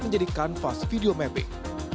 menjadikan fasil video mapping